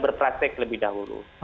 berpraktek lebih dahulu